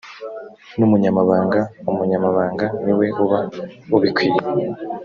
n umunyamabanga umunyamabanga niwe uba ubikwiye